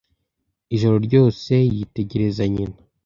Ijoro ryose yitegereza nyina.